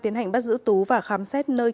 tiến hành bắt giữ tú và khám xét nơi